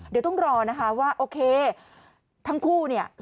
เดี๋ยวต้องรอนะคะว่าโอเคทั้งคู่เนี่ย